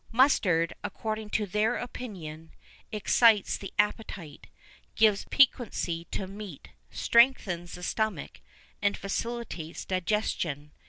Mustard, according to their opinion, excites the appetite, gives piquancy to meat, strengthens the stomach, and facilitates digestion.